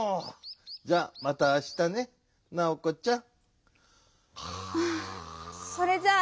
じゃまたあしたねナオコちゃん。うん。それじゃあ。